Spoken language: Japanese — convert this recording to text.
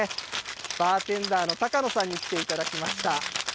バーテンダーの高野さんに来ていただきました。